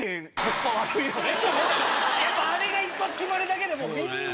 やっぱあれが一発決まるだけでもみんな。